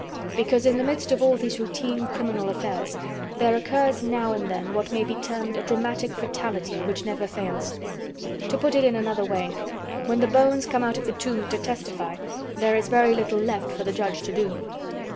"Because in the midst of all these routine criminal affairs there occurs now and then what may be termed a dramatic fatality which never fails. To put it in another way: when the bones come out of the tomb to testify, there is very little left for the judge to do."